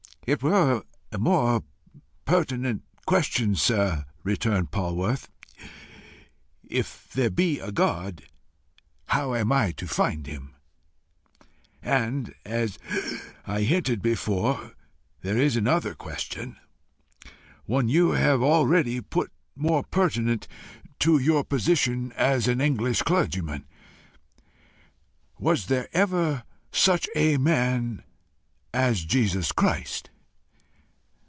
"It were a more pertinent question, sir," returned Polwarth, "If there be a God, how am I to find him? And, as I hinted before, there is another question one you have already put more pertinent to your position as an English clergyman: Was there ever such a man as Jesus Christ?